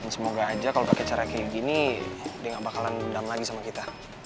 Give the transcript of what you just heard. semoga aja kalau pakai cara kayak gini dia gak bakalan dendam lagi sama kita